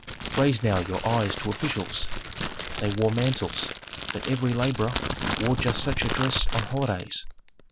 "Raise now your eyes to officials. They wore mantles, but every laborer wore just such a dress on holidays.